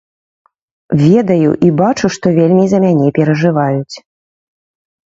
Ведаю і бачу, што вельмі за мяне перажываюць.